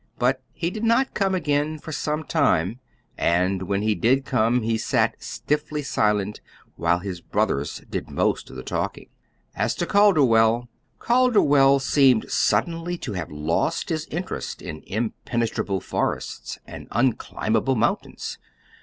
But he did not come again for some time, and when he did come, he sat stiffly silent, while his brothers did most of the talking. As to Calderwell Calderwell seemed suddenly to have lost his interest in impenetrable forests and unclimbable mountains.